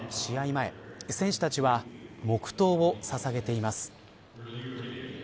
前選手たちは黙とうをささげています。